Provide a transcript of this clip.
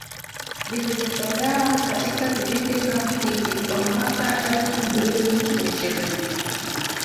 vilivyotolewa katika kipindi kama hiki kwa mwaka elfu mbili na ishirini